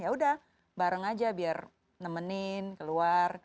ya udah bareng aja biar nemenin keluar